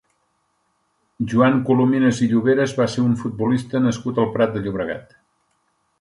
Joan Colominas i Llavores va ser un futbolista nascut al Prat de Llobregat.